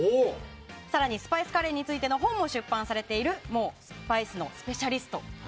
更にスパイスカレーについての本を出版されているスパイスのスペシャリスト。